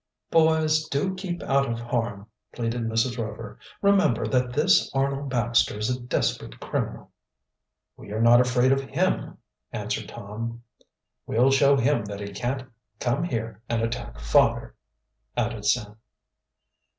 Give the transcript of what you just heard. "Boys, do keep out of harm," pleaded Mrs. Rover. "Remember that this Arnold Baxter is a desperate criminal." "We are not afraid of him," answered Tom. "We'll show him that he can't come here and attack father," added Sam.